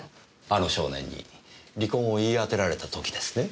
あの少年に離婚を言い当てられた時ですね。